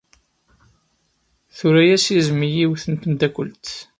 Tura-as izen i yiwet n tmeddakelt.